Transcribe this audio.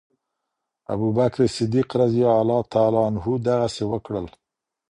ابوبکر الصديق رضي الله تعالی عنه دغسي وکړل